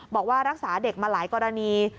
บอกว่ารักษาเด็กมาหลายกรณี